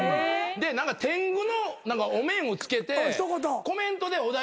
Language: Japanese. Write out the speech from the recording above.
で天狗のお面を着けてコメントでお題もらう。